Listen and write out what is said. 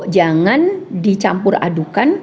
jangan dicampur adukan